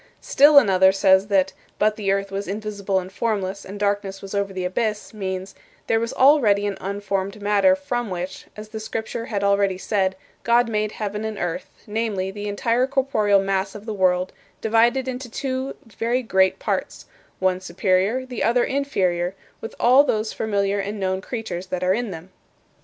Still another says that "But the earth was invisible and formless, and darkness was over the abyss" means, "There was already an unformed matter from which, as the Scripture had already said, God made heaven and earth, namely, the entire corporeal mass of the world, divided into two very great parts, one superior, the other inferior, with all those familiar and known creatures that are in them."